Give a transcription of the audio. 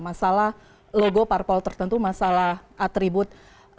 masalah logo parpol tertentu masalah atribut